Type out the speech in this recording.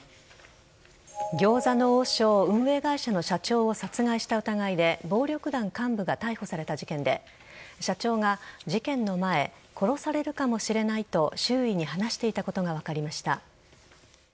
餃子の王将運営会社の社長を殺害した疑いで暴力団幹部が逮捕された事件で社長が事件の前殺されるかもしれないと周囲に話していたことが分かりました。